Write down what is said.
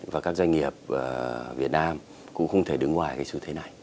và các doanh nghiệp việt nam cũng không thể đứng ngoài cái xu thế này